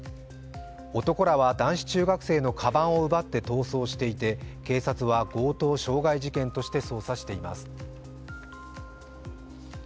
男らは、男子中学生のかばんを奪って逃走していて警察は強盗傷害事件として捜査しています。